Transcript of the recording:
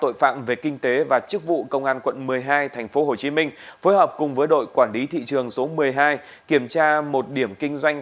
đội phạm về kinh tế và chức vụ công an quận một mươi hai tp hcm phối hợp cùng với đội quản lý thị trường số một mươi hai kiểm tra một điểm kinh doanh